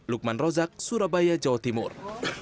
lukman rozak surabaya jawa timur